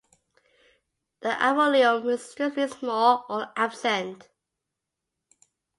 The arolium is extremely small or absent.